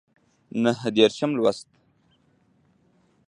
نهه دیرشم لوست